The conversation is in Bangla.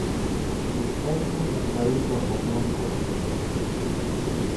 সিদ্ধার্থ মুম্বইয়ে জন্মগ্রহণ করেছিলেন।